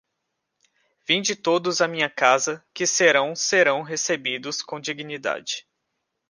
vinde todos a minha casa que serão serão recebidos com dignidade